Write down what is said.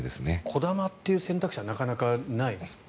こだまという選択肢はなかなかないですね。